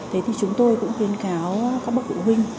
thế thì chúng tôi cũng khuyên cáo các bậc phụ huynh